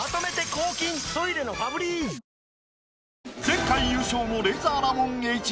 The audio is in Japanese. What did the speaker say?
前回優勝のレイザーラモン・ＨＧ